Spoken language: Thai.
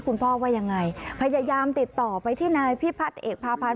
คุณพ่อว่ายังไงพยายามติดต่อไปที่นายพิพัฒน์เอกพาพันธ์